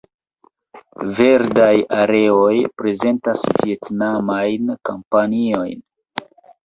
Verdaj areoj prezentas vjetnamajn kompaniojn.